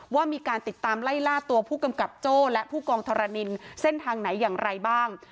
ว่ามีการติดตามไล่ล่าตัวผู้กำกับโจ้และผู้กองธรณินเส้นทางไหนอย่างไรบ้าง